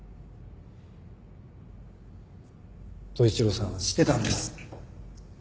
統一郎さんは知ってたんです。